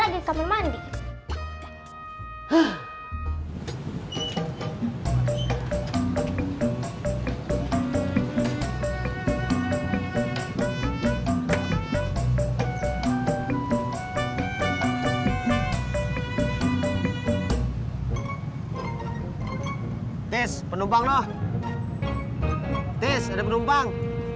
tis ada penumpang